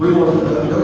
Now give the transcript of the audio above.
quy mô phát tượng